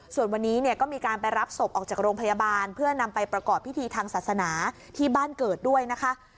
ส่วนวันนี้เนี่ยก็มีการไปรับศพออกจากโรงพยาบาลเพื่อนำไปประกอบพิธีทางศาสนาที่บ้านเกิดด้วยนะคะ